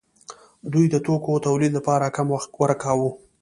دوی د توکو تولید لپاره کم وخت ورکاوه.